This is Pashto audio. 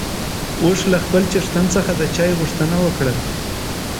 اوښ له خپل څښتن څخه د چای غوښتنه وکړه.